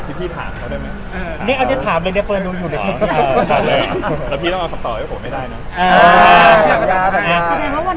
วันนี้นายต้องใช้ความกล้ามากเลยนะเพราะว่าเป็นการเกิดใจทุกคน